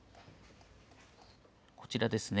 こちらですね。